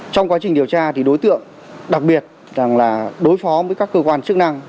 trong quá trình điều tra thì đối tượng đặc biệt rằng là đối phó với các cơ quan chức năng